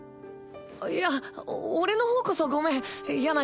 いやお俺の方こそごめん。